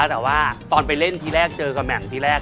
แต่ว่าตอนไปเล่นทีแรกเจอกับแหม่มที่แรก